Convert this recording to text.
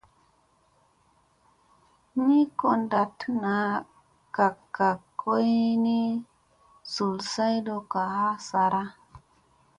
Ni ko ndatta naa, gak gak koyni slum saytokka ha sara.